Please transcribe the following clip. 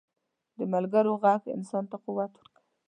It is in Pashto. د ملګرو ږغ انسان ته قوت ورکوي.